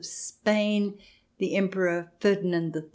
of Spain, the Emperor Ferdinand III.